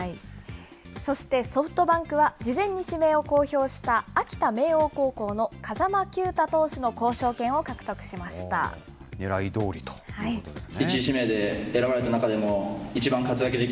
そしてソフトバンクは、事前に指名を公表した秋田・明桜高校の風間球打投手の交渉権を獲ねらいどおりということですね。